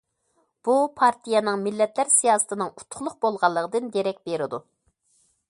بۇ پارتىيەنىڭ مىللەتلەر سىياسىتىنىڭ ئۇتۇقلۇق بولغانلىقىدىن دېرەك بېرىدۇ.